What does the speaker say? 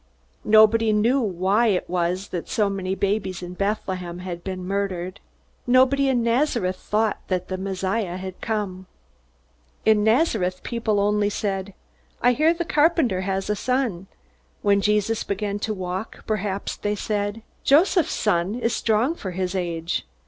Nobody knew why it was that so many babies in Bethlehem had been murdered. Nobody in Nazareth thought that the Messiah had come. In Nazareth people only said, "I hear the carpenter has a son." When Jesus began to walk perhaps they said, "Joseph's son is strong for his age."